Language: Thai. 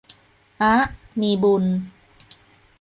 อ๊ะ มีบุญ